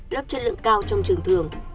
lớp chất lượng cao trong trường thường